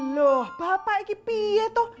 loh bapak iki piet toh